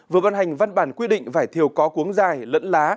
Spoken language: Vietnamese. vừa văn hành văn bản quyết định vải thiều có cuống dài lẫn lá